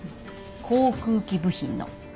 航空機部品の。